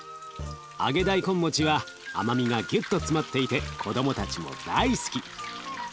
揚げ大根もちは甘みがギュッと詰まっていて子どもたちも大好き。